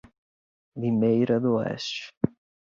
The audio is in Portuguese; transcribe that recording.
Limeira do Oeste